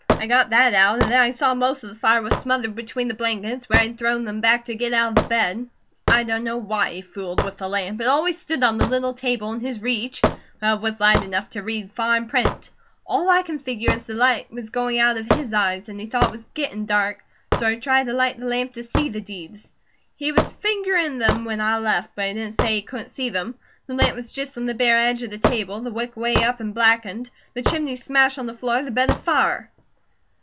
I got that out, and then I saw most of the fire was smothered between the blankets where he'd thrown them back to get out of the bed. I dunno why he fooled with the lamp. It always stood on the little table in his reach, but it was light enough to read fine print. All I can figure is that the light was going out of his EYES, an' he thought IT WAS GETTIN' DARK, so he tried to light the lamp to see the deeds. He was fingerin' them when I left, but he didn't say he couldn't see them. The lamp was just on the bare edge of the table, the wick way up an' blackened, the chimney smashed on the floor, the bed afire."